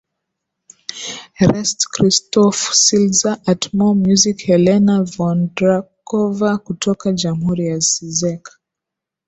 Rest Krystof Slza Atmo Music Helena Vondrackova kutoka jamhuri ya Czech